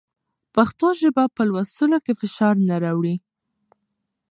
پښتو ژبه په لوستلو کې فشار نه راوړي.